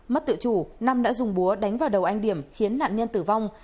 mất tự chủ nam đã dùng búa đánh vào đầu anh điểm khiến nạn nhân tử vong